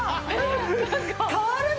変わるね！